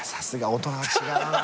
大人は違うな。